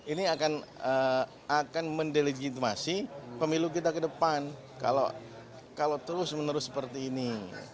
ini akan mendelegitimasi pemilu kita ke depan kalau terus menerus seperti ini